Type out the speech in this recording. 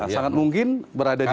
sangat mungkin berada di